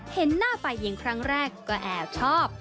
เห็นหน้าฝ่ายหญิงครั้งแรกก็แอบชอบ